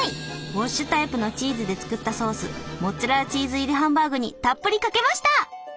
ウォッシュタイプのチーズで作ったソースモッツアレラチーズ入りハンバーグにたっぷりかけました！